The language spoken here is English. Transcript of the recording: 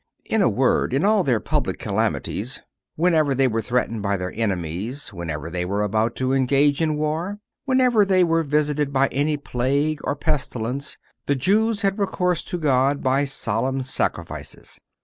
In a word, in all their public calamities—whenever they were threatened by their enemies; whenever they were about to engage in war; whenever they were visited by any plague or pestilence—the Jews had recourse to God by solemn sacrifices.